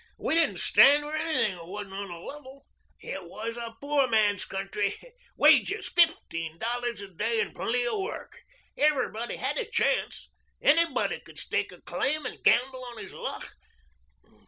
We didn't stand for anything that wasn't on the level. It was a poor man's country wages fifteen dollars a day and plenty of work. Everybody had a chance. Anybody could stake a claim and gamble on his luck.